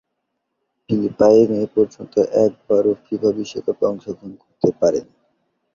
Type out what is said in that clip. Philippine এপর্যন্ত একবারও FIFA বিশ্বকাপে অংশগ্রহণ করতে পারেনি।